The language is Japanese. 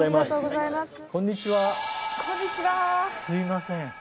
すみません。